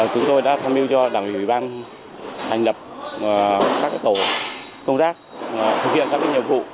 chúng tôi đã tham mưu cho đảng ủy ban thành lập các tổ công tác thực hiện các nhiệm vụ